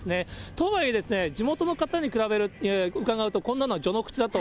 とはいえ、地元の方に伺うと、こんなのは序の口だと。